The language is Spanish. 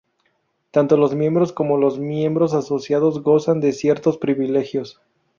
Tanto los miembros como los miembros asociados gozan de ciertos privilegios.